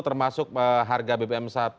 termasuk harga bbm satu